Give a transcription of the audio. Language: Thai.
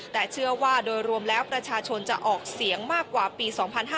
แต่เชื่อว่าโดยรวมแล้วประชาชนจะออกเสียงมากกว่าปี๒๕๕๙